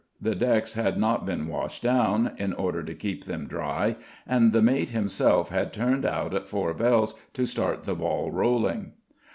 The decks had not been washed down, in order to keep them dry, and the mate himself had turned out at four bells to start the ball rolling.